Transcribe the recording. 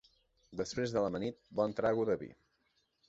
Després de l'amanit, bon trago de vi.